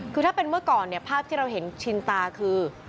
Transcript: คือถ้าเป็นเมื่อก่อนเนี่ยภาพที่เราเห็นชินตาคือ